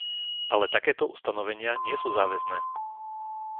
Ale takéto ustanovenia nie sú záväzné.